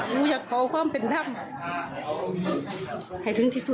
หนูอยากขอความเป็นธรรมให้ถึงที่สุด